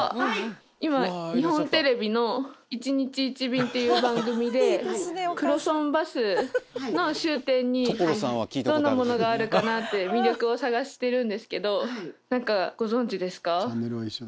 今日本テレビの『１日１便』っていう番組で黒尊バスの終点にどんなものがあるかなって魅力を探してるんですけど何かご存じですか？